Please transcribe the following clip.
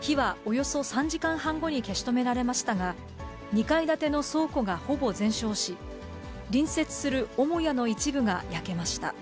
火はおよそ３時間半後に消し止められましたが、２階建ての倉庫がほぼ全焼し、隣接する母屋の一部が焼けました。